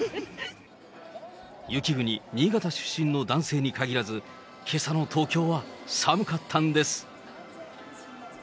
雪国、新潟出身の男性にかぎらず、けさの東京は寒かったんです。